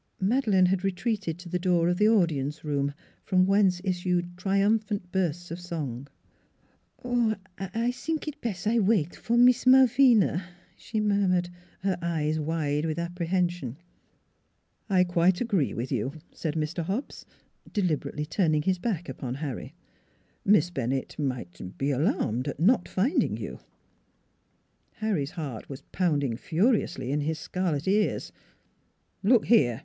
Madeleine had retreated to the door of the audience room, from whence issued triumphant bursts of song. 272 NEIGHBORS " Oh, I sink I bes' wait for Mees Malvina," she murmured, her eyes wide with apprehension. " I quite agree with you," said Mr. Hobbs, deliberately turning his back upon Harry. " Miss Bennett might er be alarmed at not finding you." Harry's heart was pounding furiously in his scarlet ears. " Look here